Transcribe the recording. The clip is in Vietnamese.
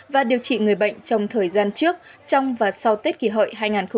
và điều trị người bệnh trong thời gian trước trong và sau tết kỳ hợi hai nghìn một mươi chín